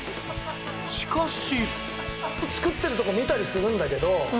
しかし。